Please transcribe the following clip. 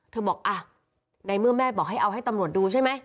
บอกอ่ะในเมื่อแม่บอกให้เอาให้ตำรวจดูใช่ไหม